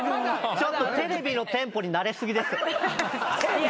ちょっとテレビのテンポに慣れ過ぎです。